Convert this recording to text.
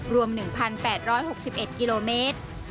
รวม๑๘๖๑กิโลเมตร